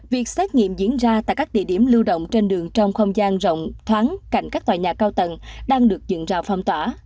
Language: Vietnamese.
việc xét nghiệm diễn ra tại các địa điểm lưu động trên đường trong không gian rộng thoáng cạnh các tòa nhà cao tầng đang được dựng rào phong tỏa